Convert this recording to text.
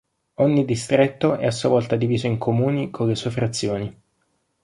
Ogni distretto è a sua volta diviso in comuni con le sue frazioni.